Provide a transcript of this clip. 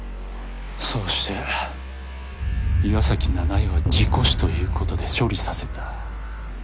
そうして岩崎奈々江は事故死という事で処理させた。